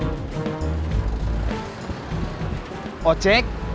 then udah bayarnya satu setengah